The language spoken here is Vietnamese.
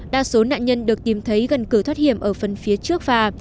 đa số nạn nhân được tìm thấy gần cửa thoát hiểm ở phần phía trước phà